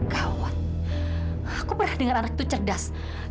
kawat aku pernah dengar anak itu cerdas